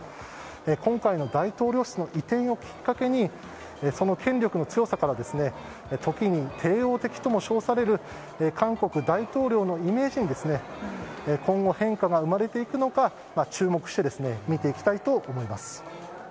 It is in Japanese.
今回の大統領室の移転をきっかけにその権力の強さから時に帝王的とも称される韓国大統領のイメージに今後変化が生まれていくのか注目して見ていきたいと思います。